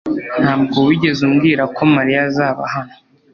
Ntabwo wigeze umbwira ko Mariya azaba hano